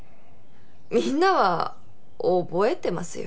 みんなは覚えてますよ。